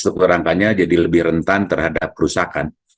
seorangkanya jadi lebih rentan terhadap kerusakan